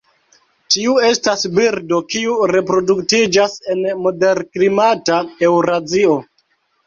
Tiu estas birdo kiu reproduktiĝas en moderklimata Eŭrazio.